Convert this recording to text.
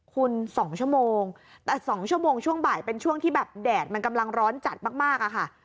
คุณ๒ชั่วโมงแต่๒ชั่วโมงช่วงบ่ายเป็นช่วงที่แบบแดดมันกำลังร้อนจัดมากอะค่ะ